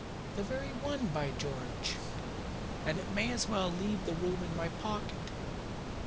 "The very one, by George! And it may as well leave the room in my pocket.